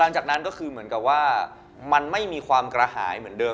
หลังจากนั้นก็คือเหมือนกับว่ามันไม่มีความกระหายเหมือนเดิ